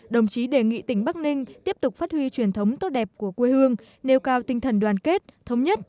đồng chí đề nghị tỉnh bắc ninh tiếp tục phát huy truyền thống tốt đẹp của quê hương nêu cao tinh thần đoàn kết thống nhất